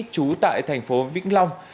trú tại thành phố vĩnh long